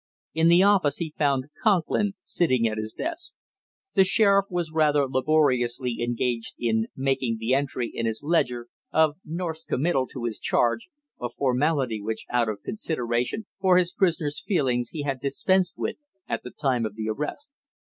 In the office he found Conklin at his desk. The sheriff was rather laboriously engaged in making the entry in his ledger of North's committal to his charge, a formality which, out of consideration for his prisoner's feelings, he had dispensed with at the time of the arrest.